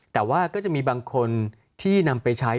แต่ว่าก็จะมีบางคนที่นำไปใช้